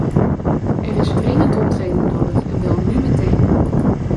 Er is dringend optreden nodig, en wel nu meteen.